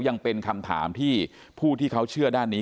ยังเป็นคำถามที่ผู้ที่เขาเชื่อด้านนี้